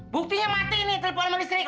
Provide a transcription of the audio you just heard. buktinya mati ini telepon sama nisrik